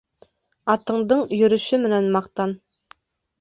Атыңдың йөрөшө менән маҡтан.